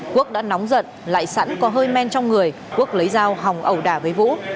quốc đã nóng giận lại sẵn có hơi men trong người quốc lấy dao hòng ẩu đả với vũ